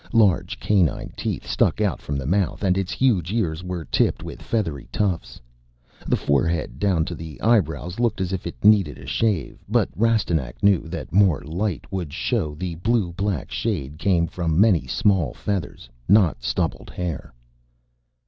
Large canine teeth stuck out from the mouth, and its huge ears were tipped with feathery tufts. The forehead down to the eyebrows looked as if it needed a shave, but Rastignac knew that more light would show the blue black shade came from many small feathers, not stubbled hair.